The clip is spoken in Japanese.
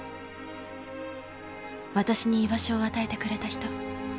私に居場所を与えてくれた人。